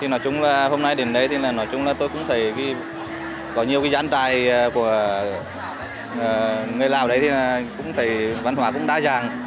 nói chung là hôm nay đến đây tôi cũng thấy có nhiều cái gián trại của người lào đấy thì cũng thấy văn hóa cũng đã dàng